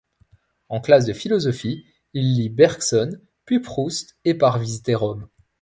En classe de philosophie, il lit Bergson, puis Proust et part visiter Rome.